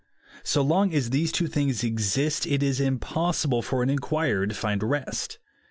So long as these two things exist, it is impossible for an mquirer to find rest.